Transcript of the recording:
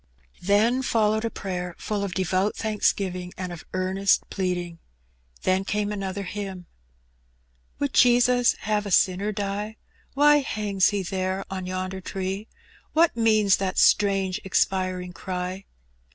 Then followed a prayer full of devout thanksgiving and of earnest pleading. Then came another hymn —'' Would Jesus have a sinner die ? Why hangs He then on yonder tree? What means that strange expiring cry?